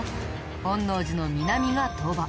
本能寺の南が鳥羽。